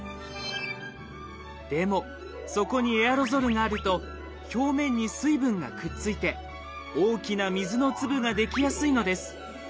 でもそこにエアロゾルがあると表面に水分がくっついて大きな水の粒ができやすいのです。